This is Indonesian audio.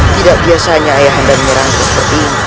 tidak biasanya ayah anda menyerangkul seperti ini